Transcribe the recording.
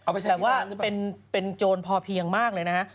แต่ว่าเป็นโจรพอเพียงมากเลยนะฮะ